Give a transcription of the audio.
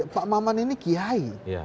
pak maman ini kiai